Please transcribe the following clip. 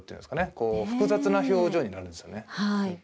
こう複雑な表情になるんですよね。